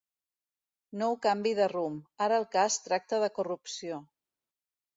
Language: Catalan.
Nou canvi de rumb: ara el cas tracta de corrupció.